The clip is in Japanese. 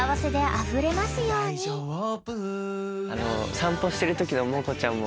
散歩してるときのモコちゃんも。